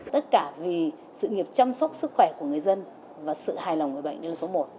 tất cả vì sự nghiệp chăm sóc sức khỏe của người dân và sự hài lòng người bệnh trong số một